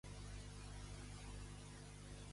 A què grup pertanyien els policies?